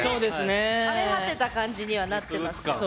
荒れ果てた感じにはなってますよ。